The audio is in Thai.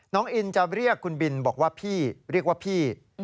น้องอินจะเรียกคุณบินบอกว่าพี่เรียกว่าพี่